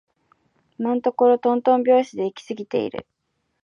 今のところとんとん拍子で行き過ぎている